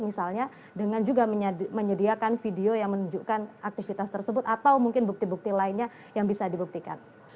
misalnya dengan juga menyediakan video yang menunjukkan aktivitas tersebut atau mungkin bukti bukti lainnya yang bisa dibuktikan